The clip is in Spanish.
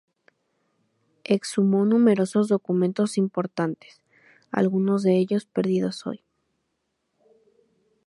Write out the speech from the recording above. Exhumó numerosos documentos importantes, algunos de ellos perdidos hoy.